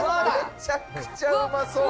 めちゃくちゃうまそう！